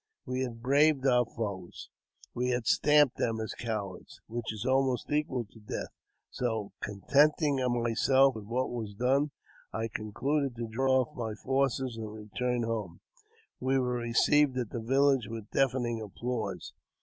We had braved our foes; we had stamped them as cowards, which is almost equal to death ; so, conteni ing myself with what was done, I concluded to draw off my~ forces and return home. We were received at the village with deafening applause.